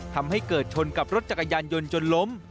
ทำให้เกิดชนกับรถจักรยานยนต์จนล้ม